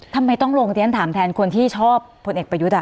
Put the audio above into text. ทำไมต้องลงที่ฉันถามแทนคนที่ชอบผลเอกประยุทธ์